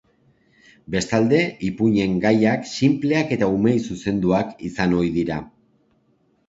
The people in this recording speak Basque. Bestalde, ipuinen gaiak sinpleak eta umeei zuzenduak izan ohi dira.